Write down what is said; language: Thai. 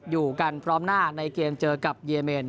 อยู่กันพร้อมหน้าในเกมเจอกับเยเมน